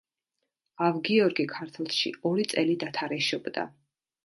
ავ-გიორგი ქართლში ორი წელი დათარეშობდა.